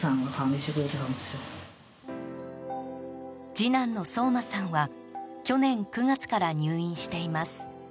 次男の想真さんは去年９月から入院しています。